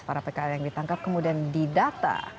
para pkl yang ditangkap kemudian didata